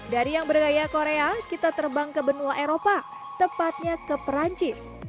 dari yang bergaya korea kita terbang ke benua eropa tepatnya ke perancis